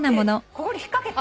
ここに引っ掛けて。